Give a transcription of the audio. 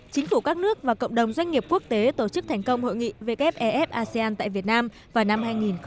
chính phủ các nước và cộng đồng doanh nghiệp quốc tế tổ chức thành công hội nghị wff asean tại việt nam vào năm hai nghìn một mươi tám